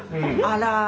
あら！